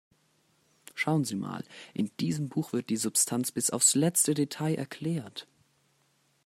Schauen Sie mal, in diesem Buch wird die Substanz bis aufs letzte Detail erklärt.